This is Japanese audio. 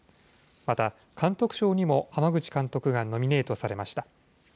また、監督賞にも濱口監督がノミネートなりました。